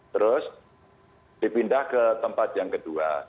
terus dipindah ke tempat yang kedua